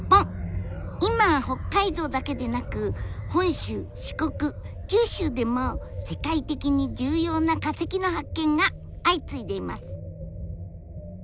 今北海道だけでなく本州四国九州でも世界的に重要な化石の発見が相次いでいます。